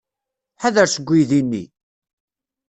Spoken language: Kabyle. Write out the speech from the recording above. Ḥader seg uydi-nni!